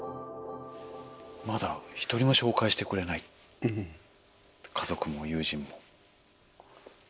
まだ一人も紹介してくれない家族も友人も。